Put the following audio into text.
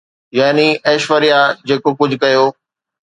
يعني ايشوريا جيڪو ڪجهه ڪيو